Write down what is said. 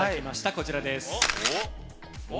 こちらです。